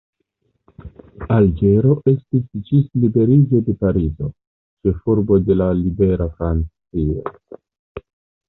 Alĝero estis ĝis liberiĝo de Parizo, ĉefurbo de la libera Francio.